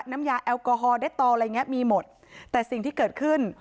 น้ำยาแอลกอฮอลได้ตอลอะไรอย่างเงี้มีหมดแต่สิ่งที่เกิดขึ้น